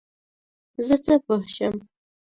زه څه پوه شم ؟